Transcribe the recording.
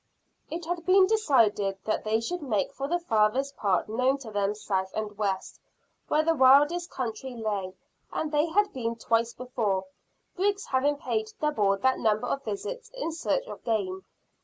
It had been decided that they should make for the farthest part known to them south and west, where the wildest country lay, and they had been twice before, Griggs having paid double that number of visits in search of game.